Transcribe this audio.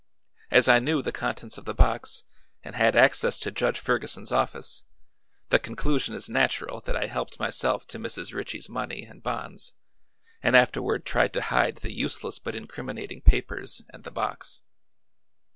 As I knew the contents of the box and had access to Judge Ferguson's office, the conclusion is natural that I helped myself to Mrs. Ritchie's money and bonds and afterward tried to hide the useless but incriminating papers and the box."